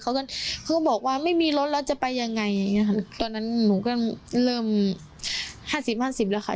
เขาก็บอกว่าไม่มีรถแล้วจะไปยังไงตอนนั้นหนูก็เริ่ม๕๐๕๐แล้วค่ะ